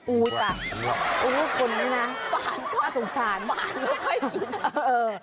อู้วป่ะอู้วคุณนี่นะสงสารหวานก็ไม่ค่อยกิน